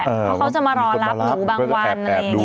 เขาจะมารอรับหนูบางวัน